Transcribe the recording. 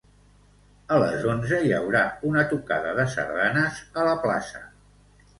A les onze hi haurà una tocada de sardanes a la plaça.